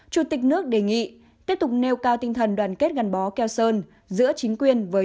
chủ tịch nước đề nghị tiếp tục nêu cao tinh thần đoàn kết gắn bó keo sơn giữa chính quyền với